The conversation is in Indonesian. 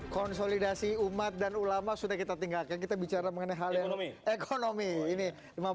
konsolidasi umat dan ulama sudah kita tinggalkan kita bicara mengenai hal yang ekonomi ini